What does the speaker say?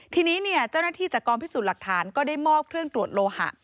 ทีนี้เจ้าหน้าที่จากกองพิสูจน์หลักฐานก็ได้มอบเครื่องตรวจโลหะ